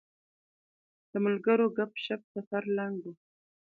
د ملګرو ګپ شپ سفر لنډاوه.